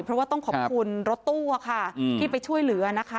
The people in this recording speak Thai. เพราะว่าต้องขอบคุณรถตู้ค่ะที่ไปช่วยเหลือนะคะ